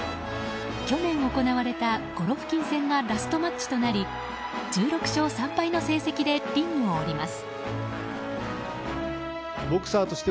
去年行われたゴロフキン戦がラストマッチとなり１６勝３敗の成績でリングを下ります。